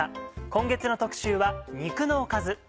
今月の特集は肉のおかず。